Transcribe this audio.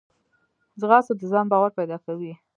ځغاسته د ځان باور پیدا کوي